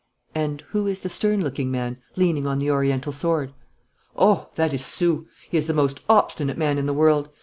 'And who is the stern looking man, leaning on the Oriental sword?' 'Oh, that is Soult! He is the most obstinate man in the world.